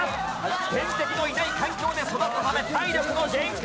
天敵のいない環境で育ったため体力の限界！